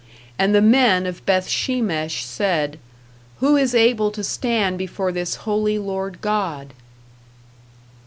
And the men of Beth shemesh said, Who is able to stand before this holy Lord God?